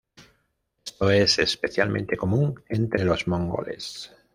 Esto es especialmente común entre los mongoles.